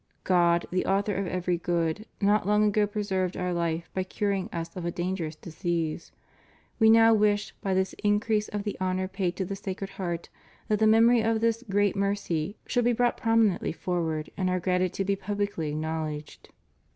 God, the author of every good, not long ago preserved Our life by curing Us of a dangerous disease. We now wish, by this increase of the honor paid to the Sacred Heart, that the memory of this great mercy should be brought prominently forward, and Our gratitude be publicly acknowledged.